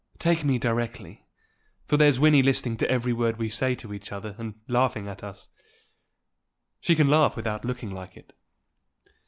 Take me directly; for there's Wynnie listening to every word we say to each other, and laughing at us. She can laugh without looking like it."